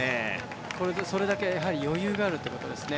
それだけ余裕があるっていうことですね。